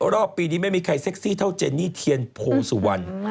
รอบปีนี้ไม่มีใครเซ็กซี่เท่าเจนี่เทียนโพสุวรรณ